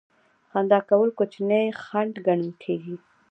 خندا کول کوچنی خنډ ګڼل کیږي.